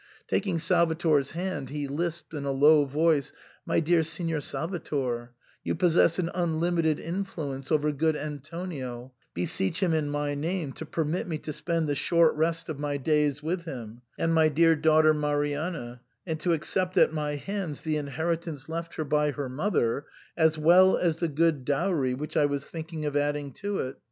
Taking Salvator's hand he lisped in a low voice, "My dear Signor Salvator, you possess an i^nlimited influence over good Antonio ; beseech him in my name to permit me to spend the short.rest of my days with him, and my dear daughter Marianna, and to accept at my hands the inheritance left her by her mother, as well as the good dowry which I was thinking of adding to it.